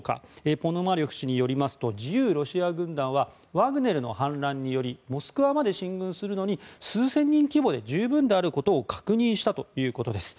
ポノマリョフ氏によりますと自由ロシア軍団はワグネルの反乱によりモスクワまで進軍するのに数千人規模で十分であることを確認したということです。